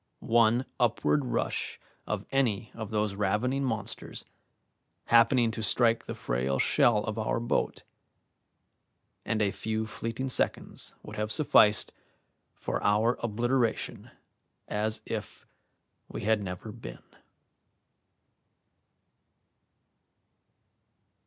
One upward rush of any of those ravening monsters, happening to strike the frail shell of our boat, and a few fleeting seconds would have sufficed for our obliteration as if we had never been.